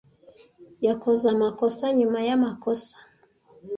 Yakoze amakosa nyuma yamakosa.